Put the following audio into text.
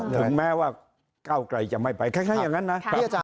ถึงแม้ว่าก้าวไกลจะไม่ไปแค้นอย่างนั้นนะ